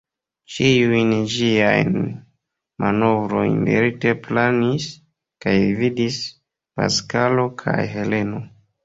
Ĉiujn ĝiajn manovrojn lerte planis kaj gvidis Paskalo kaj Heleno.